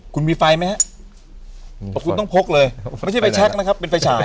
คุณมีไฟมั้ยครับอ้อคุณต้องพกเลยไม่ใช่ไปแช็กนะครับเป็นไฟฉาย